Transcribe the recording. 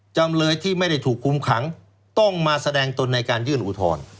จำเลยที่ไม่ได้ถูกคุมขังต้องมาแสดงตนในการยื่นอุทธรณ์